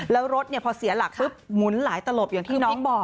แล้วรถพอเสียหลักปุ๊บหมุนหลายตลบอย่างที่น้องบอก